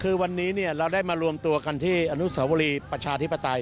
คือวันนี้เราได้มารวมตัวกันที่อนุสาวรีประชาธิปไตย